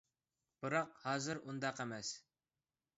بىراق ھازىر ئۇنداق ئەمەس.